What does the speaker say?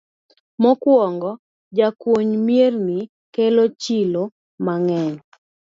Mokwongo, jakuny mirni kelo chilo mang'eny